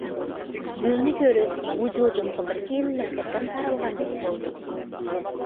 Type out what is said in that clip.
گۈلنى كۆرۈپ ۋۇجۇدۇمغا بىر ئىللىق ئېقىم تارالغاندەك بولدى.